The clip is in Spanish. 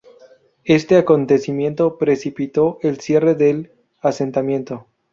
Este acontecimiento precipitó el cierre del asentamiento.